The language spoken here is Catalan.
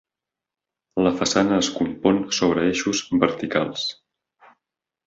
La façana es compon sobre eixos verticals.